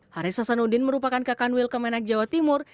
haris sasanudin merupakan kakanwil kemenang jawa timur